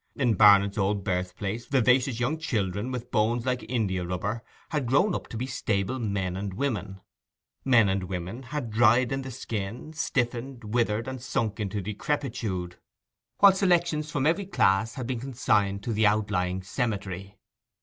In Barnet's old birthplace vivacious young children with bones like india rubber had grown up to be stable men and women, men and women had dried in the skin, stiffened, withered, and sunk into decrepitude; while selections from every class had been consigned to the outlying cemetery.